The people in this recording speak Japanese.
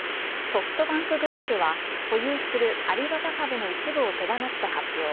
ソフトバンクグループは保有するアリババ株の一部を手放すと発表。